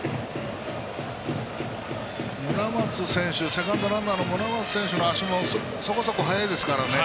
セカンドランナーの村松選手の足も、そこそこ速いですからね。